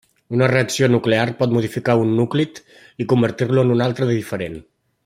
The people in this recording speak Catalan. Una reacció nuclear pot modificar un núclid i convertir-lo en un altre de diferent.